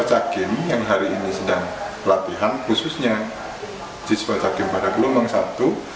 cakin yang hari ini sedang pelatihan khususnya siswa cakin pada gelombang satu